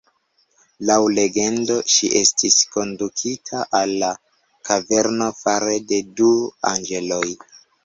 Laŭ legendo ŝi estis kondukita al la kaverno fare de du anĝeloj.